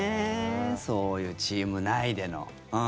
そういうチーム内での。